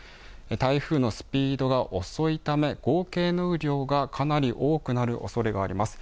台風のスピードが遅いため、合計の雨量がかなり多くなるおそれがあります。